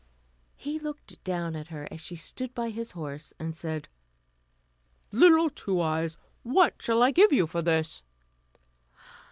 He looked down at her as she stood by his horse, and said: "Little Two Eyes, what shall I give you for this?"